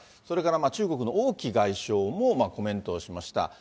それから中国の王毅外相もコメントをしました。